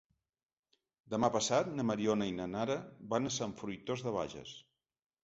Demà passat na Mariona i na Nara van a Sant Fruitós de Bages.